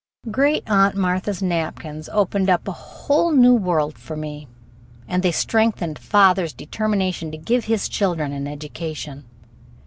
Great Aunt Martha's napkins opened up a new world for me, and they strengthened father's determination to give his children an education.